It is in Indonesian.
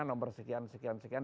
nomor sekian sekian sekian